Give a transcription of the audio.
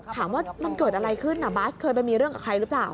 ถามว่ามันเกิดอะไรขึ้นบาสเคยไปมีเรื่องกับใครหรือเปล่า